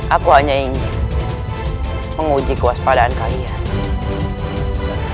aku hanya ingin menguji kewaspadaan kalian